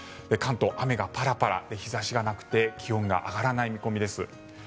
関東、雨がパラパラ日差しがなくて気温が上がらない見込みです。